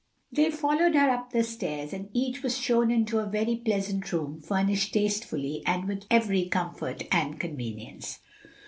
They followed her up the stairs, and each was shown into a very pleasant room furnished tastefully and with every comfort and convenience.